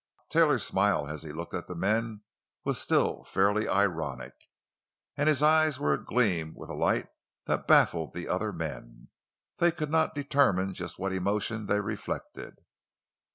Taylor's smile as he looked at the men was still faintly ironic, and his eyes were agleam with a light that baffled the other men—they could not determine just what emotion they reflected.